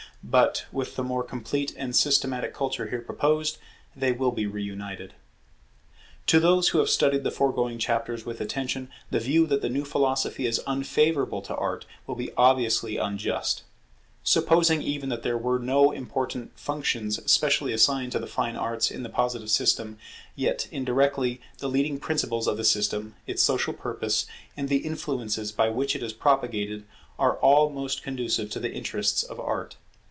But, with the more complete and systematic culture here proposed, they will be re united. To those who have studied the foregoing chapters with attention, the view that the new philosophy is unfavourable to Art, will be obviously unjust. Supposing even that there were no important functions specially assigned to the fine arts in the Positive system, yet indirectly, the leading principles of the system, its social purpose, and the influences by which it is propagated, are all most conducive to the interests of Art.